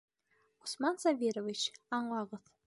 Усман Сабирович, аңлағыҙ.